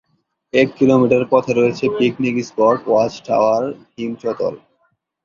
এই এক কিলোমিটার পথে রয়েছে পিকনিক স্পট, ওয়াচ টাওয়ার, হিম চত্বর।